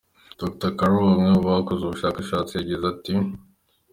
Dr Carroll umwe mu bakoze ubu bushakashatsi yagize ati:.